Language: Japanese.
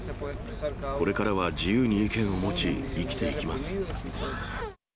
これからは自由に意見を持ち、生きていきます。